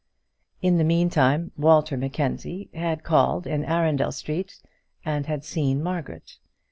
In the meantime Walter Mackenzie had called in Arundel Street, and had seen Margaret.